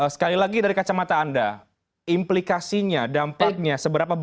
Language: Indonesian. sekali lagi dari kacamata anda implikasinya dampaknya seberapa besar